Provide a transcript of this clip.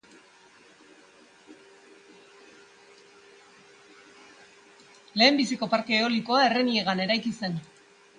Lehenbiziko parke eolikoa Erreniegan eraiki zen.